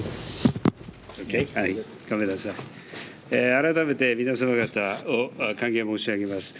改めて皆様方を歓迎申し上げます。